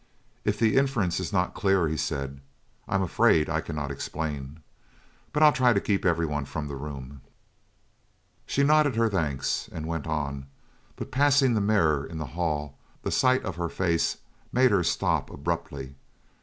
"If the inference is not clear," he said, "I'm afraid that I cannot explain. But I'll try to keep everyone from the room." She nodded her thanks, and went on; but passing the mirror in the hall the sight of her face made her stop abruptly.